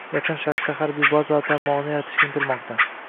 Yaqin Sharqda harbiy bazalar tarmog‘ini yaratishga intilmoqda.